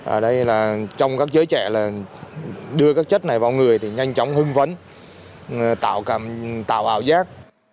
ở đây là trong các giới trẻ là đưa các chất này vào người thì nhanh chóng hưng vấn tạo ảo giác